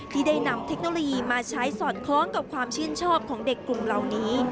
ที่ได้นำเทคโนโลยีมาใช้สอดคล้องกับความชื่นชอบของเด็กกลุ่มเหล่านี้